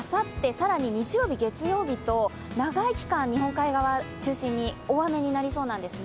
更に日曜日、月曜日と長い期間、日本海側中心に大雨になりそうなんですね。